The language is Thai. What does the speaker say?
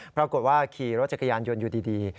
ปรากฏว่าขี่รถจักรยานยนต์อยู่ดี